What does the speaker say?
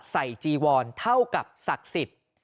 จีวอนเท่ากับศักดิ์สิทธิ์